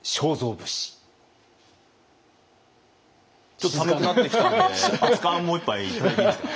ちょっと寒くなってきたんで熱かんもう一杯頂いていいですか？